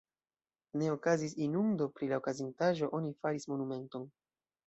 Ne okazis inundo, pri la okazintaĵo oni faris monumenton.